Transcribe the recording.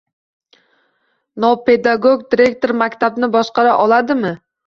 Nopedagog direktor maktabni boshqara oladimi?